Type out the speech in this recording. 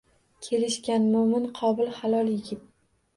Kelishgan, mo`min-qobil, halol yigit